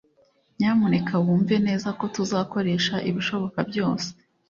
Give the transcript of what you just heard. Nyamuneka wumve neza ko tuzakoresha ibishoboka byose